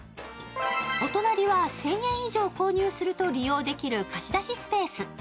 お隣は１０００円以上購入すると利用できる貸し出しスペース。